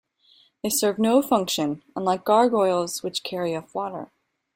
They serve no function, unlike gargoyles which carry off water.